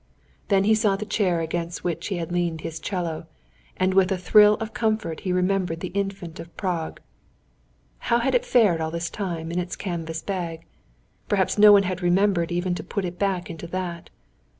Then he saw the chair against which he had leaned his 'cello, and with a thrill of comfort he remembered the Infant of Prague. How had it fared all this time, in its canvas bag? Perhaps no one had remembered even to put it back into that.